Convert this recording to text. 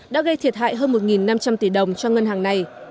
đã gây thiệt hại hơn một năm trăm linh tỷ đồng cho ngân hàng này